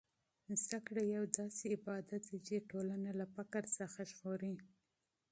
زده کړه یو داسې عبادت دی چې ټولنه له فقر څخه ژغوري.